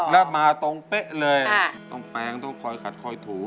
แล้วมาตรงเป๊ะเลยต้องแปลงต้องคอยขัดคอยถู